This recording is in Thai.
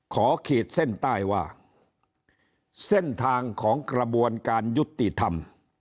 ขีดเส้นใต้ว่าเส้นทางของกระบวนการยุติธรรม